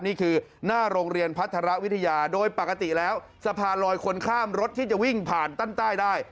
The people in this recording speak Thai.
นี่คือหน้าโรงเรียนพัฒระวิทยาโดยปกติแล้วสะพานลอยคนข้ามรถที่จะวิ่งผ่านตั้งใต้ได้